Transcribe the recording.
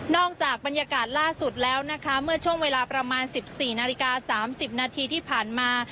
จากบรรยากาศล่าสุดแล้วนะคะเมื่อช่วงเวลาประมาณ๑๔นาฬิกา๓๐นาทีที่ผ่านมา